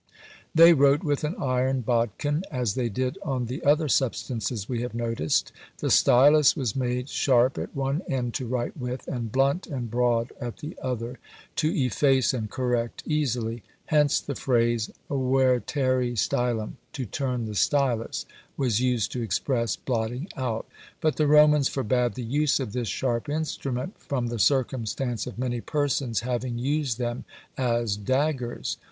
They wrote with an iron bodkin, as they did on the other substances we have noticed. The stylus was made sharp at one end to write with, and blunt and broad at the other, to efface and correct easily: hence the phrase vertere stylum, to turn the stylus, was used to express blotting out. But the Romans forbad the use of this sharp instrument, from the circumstance of many persons having used them as daggers.